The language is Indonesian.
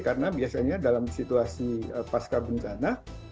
karena biasanya dalam situasi pasca bencana